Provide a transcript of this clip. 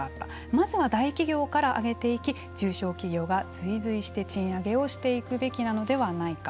まずは大企業から上げていき中小企業が追随して賃上げをしていくべきなのではないか。